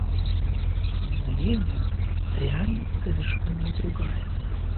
К сожалению, реальность совершенно другая.